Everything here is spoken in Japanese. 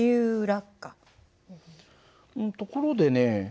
ところでね